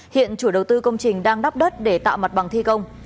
hiện chủ đầu tư công trình đang đắp đất để tạo mặt bằng thi công